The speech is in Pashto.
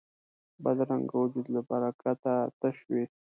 بدرنګه وجود له برکته تش وي